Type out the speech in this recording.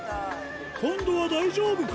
今度は大丈夫か？